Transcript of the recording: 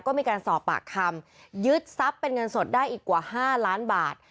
ก็มีการสอบปากคำยึดทรัพย์เป็นเงินสดได้อีกกว่า๕ล้านบาท